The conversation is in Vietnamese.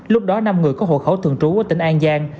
lúc đó năm người có hộ khẩu thường trú ở tỉnh an giang